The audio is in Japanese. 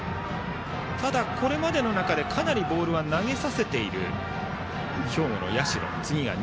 これまでの中でかなりボールは投げさせている兵庫の社。